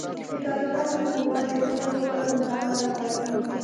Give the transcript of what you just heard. د طالبانو حکومت د خپلو خلکو ملاتړ غواړي.